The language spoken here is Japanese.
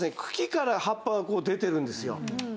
茎から葉っぱがこう出てるんですよ。